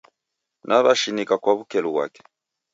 Naw'eshinika kwa wukelu ghwake